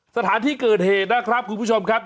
สถานที่เกิดเหตุนะครับคุณผู้ชมครับ